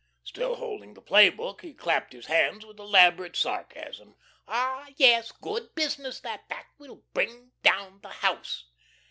Still holding the play book, he clapped hands with elaborate sarcasm. "Ah, yes, good business that. That will bring down the house."